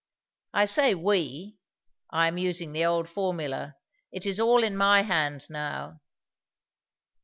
I say 'we' I am using the old formula it is all in my hand now."